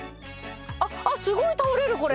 すごい倒れるこれ。